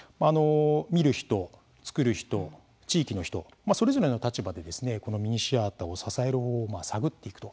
見る人、作る人、地域の人それぞれの立場でミニシアターを支える方法を探っていくと。